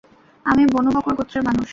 আমি Banu Bakr গোত্রের মানুষ।